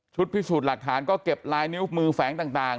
พิสูจน์หลักฐานก็เก็บลายนิ้วมือแฝงต่าง